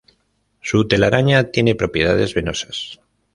Su telaraña tiene propiedades venenosas.